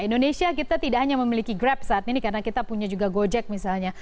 indonesia kita tidak hanya memiliki grab saat ini karena kita punya juga gojek misalnya